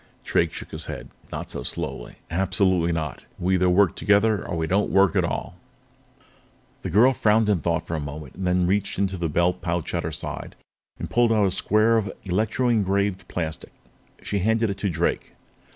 Drake shook his head not so slowly. "Absolutely not. We either work together or we don't work at all." The girl frowned in thought for a moment, and then reached into the belt pouch at her side and pulled out a square of electro engraved plastic. She handed it to Drake.